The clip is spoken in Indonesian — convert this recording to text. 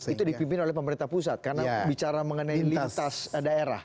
itu dipimpin oleh pemerintah pusat karena bicara mengenai lintas daerah